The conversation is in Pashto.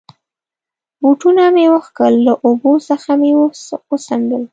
بوټونه مې و کښل، له اوبو څخه مې و څنډل.